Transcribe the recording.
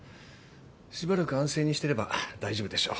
しばらく安静にしてれば大丈夫でしょう。